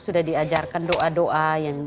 sudah diajarkan doa doa